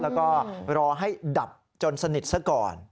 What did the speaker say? แล้วก็รอให้ดับจนสนิทซะก่อน